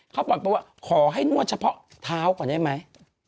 เขาปล่อยไปว่าขอให้นวดเฉพาะเท้าก่อนได้ไหม